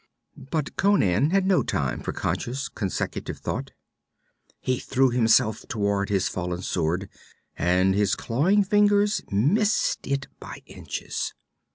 But Conan had no time for conscious consecutive thought. He threw himself toward his fallen sword, and his clawing fingers missed it by inches.